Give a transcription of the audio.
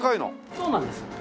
そうなんです。